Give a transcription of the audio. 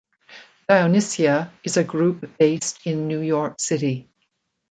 Dionycia is a group based in New York City.